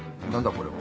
これは。